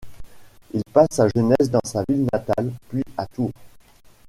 Il passe sa jeunesse dans sa ville natale, puis à Tours.